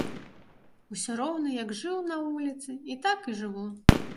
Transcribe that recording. Усё роўна як жыў на вуліцы, і так і жыву.